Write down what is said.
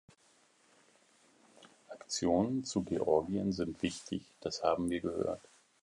Aktionen zu Georgien sind wichtig, das haben wir gehört.